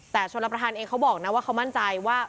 แต่ชนรับประทานเองเขาบอกนะว่าเขามั่นใจว่า